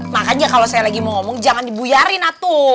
makanya kalau saya lagi mau ngomong jangan dibuyarin atu